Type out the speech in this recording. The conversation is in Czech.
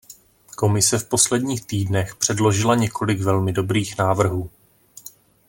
Komise v posledních týdnech předložila několik velmi dobrých návrhů.